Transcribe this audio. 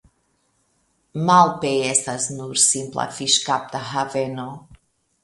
Malpe estas nur simpla fiŝkapta haveno.